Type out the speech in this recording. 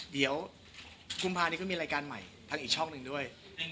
เดี๋ยวกุมภานี้ก็มีรายการใหม่ทางอีกช่องหนึ่งด้วย